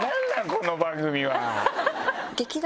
この番組は。